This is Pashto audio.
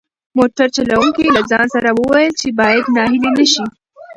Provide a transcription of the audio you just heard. موټر چلونکي له ځان سره وویل چې باید ناهیلی نشي.